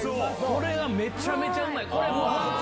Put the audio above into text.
これがめちゃめちゃうまい。